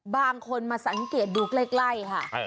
บางคนมาสังเกตดูใกล้ค่ะ